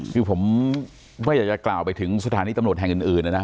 คือผมไม่อยากจะกล่าวไปถึงสถานีตำรวจแห่งอื่นนะนะ